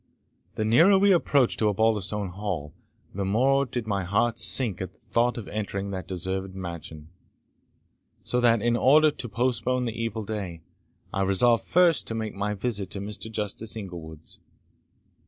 The nearer we approached to Osbaldistone Hall, the more did my heart sink at the thought of entering that deserted mansion; so that, in order to postpone the evil day, I resolved first to make my visit at Mr. Justice Inglewood's.